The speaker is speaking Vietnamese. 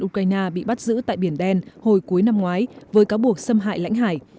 ukraine bị bắt giữ tại biển đen hồi cuối năm ngoái với cáo buộc xâm hại lãnh hải